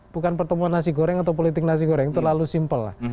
bukan pertemuan nasi goreng atau politik nasi goreng terlalu simpel lah